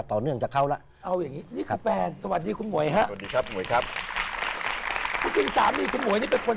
เต้นไปหมดเลยเนอะ